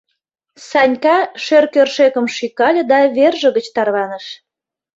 Санька шӧр кӧршӧкым шӱкале да верже гыч тарваныш.